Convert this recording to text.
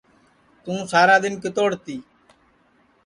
توں سارا دؔن کِتوڑ تی